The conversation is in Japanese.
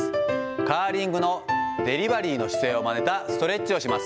カーリングのデリバリーの姿勢をまねたストレッチをします。